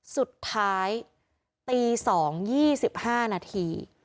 สุดท้ายตี๒๒๕นาที